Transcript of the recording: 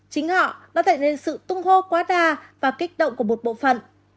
chính họ đã tạo nên sự tung hô quá đa và kích động của một bộ phận